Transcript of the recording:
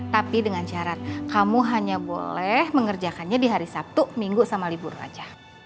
tapi dengan syarat kamu hanya boleh mengerjakannya di hari sabtu minggu sama libur aja